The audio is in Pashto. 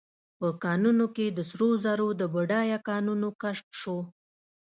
په کانونو کې د سرو زرو د بډایه کانونو کشف شو.